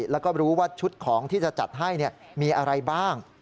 แล้วก็รู้ว่าชุดของที่จะจัดให้มีอะไรบ้าง